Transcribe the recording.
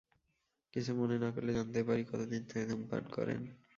কিছু মনে না করলে জানতে পারি, কতদিন ধরে ধূমপান করেন?